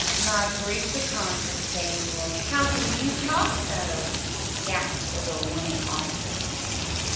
"My grief an' conscience, Samuel, how can you talk so!" gasped the little woman opposite.